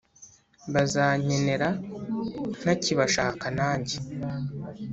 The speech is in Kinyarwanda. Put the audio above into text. Bazankenera ntakibashaka nanjye